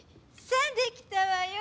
さあできたわよ。